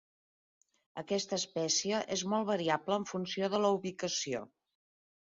Aquesta espècie és molt variable en funció de la ubicació.